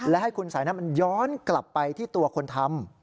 และให้คุณสายนั้นมันย้อนกลับไปที่ตัวคนทำ